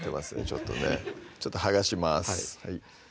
ちょっとねちょっと剥がします